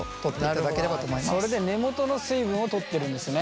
それで根元の水分を取ってるんですね。